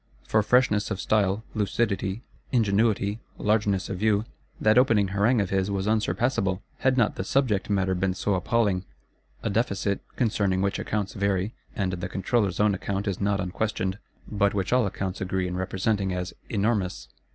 For freshness of style, lucidity, ingenuity, largeness of view, that opening Harangue of his was unsurpassable:—had not the subject matter been so appalling. A Deficit, concerning which accounts vary, and the Controller's own account is not unquestioned; but which all accounts agree in representing as "enormous."